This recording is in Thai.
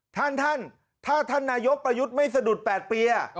ท่านถ้าท่านนายกประยุทธ์ไม่สะดุด๘ปี